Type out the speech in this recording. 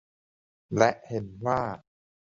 และเห็นว่า